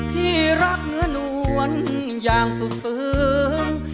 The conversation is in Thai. ที่รักเนื้อนวลอย่างสุดซึ้ง